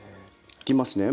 いきますね。